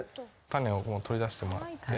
種を取り出してもらって。